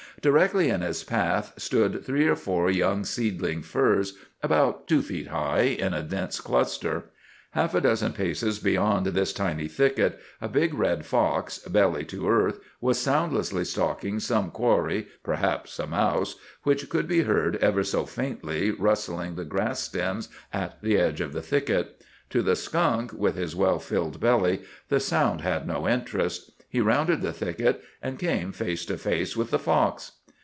Directly in his path stood three or four young seedling firs, about two feet high, in a dense cluster. Half a dozen paces beyond this tiny thicket a big red fox, belly to earth, was soundlessly stalking some quarry, perhaps a mouse, which could be heard ever so faintly rustling the grass stems at the edge of the thicket. To the skunk, with his well filled belly, the sound had no interest. He rounded the thicket and came face to face with the fox.